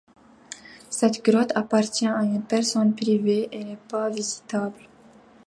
Cette grotte appartiennent à une personne privée et n'est pas visitable.